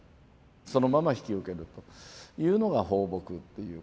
そのまま引き受けるというのが抱樸っていう。